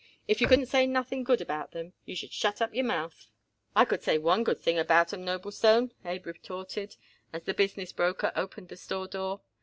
If you couldn't say nothing good about 'em, you should shut up your mouth." "I could say one thing good about 'em, Noblestone," Abe retorted, as the business broker opened the store door.